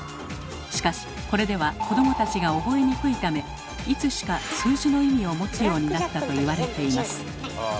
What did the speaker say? しかしこれでは子どもたちが覚えにくいためいつしか数字の意味を持つようになったと言われています。